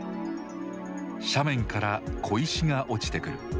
斜面から小石が落ちてくる。